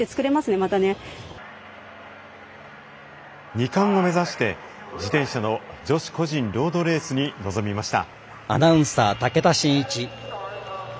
２冠を目指して自転車の女子個人ロードレースに臨みました。